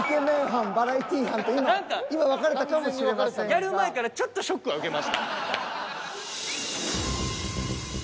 やる前からちょっとショックは受けました。